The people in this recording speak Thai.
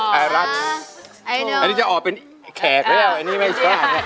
เพื่อนรักไดเกิร์ต